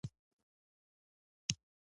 برکي برک ځمکې اوبه لري؟